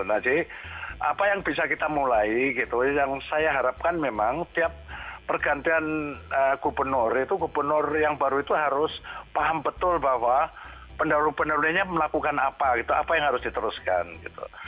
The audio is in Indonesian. nah jadi apa yang bisa kita mulai gitu yang saya harapkan memang tiap pergantian gubernur itu gubernur yang baru itu harus paham betul bahwa pendahulu pendahulunya melakukan apa gitu apa yang harus diteruskan gitu